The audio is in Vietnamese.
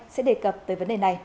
sẽ đề cập tới vấn đề này